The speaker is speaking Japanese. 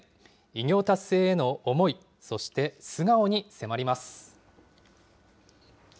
偉業達成への思い、そして素顔に迫ります。